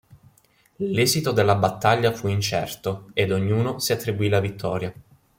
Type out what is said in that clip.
L'esito della battaglia fu incerto ed ognuno si attribuì la vittoria.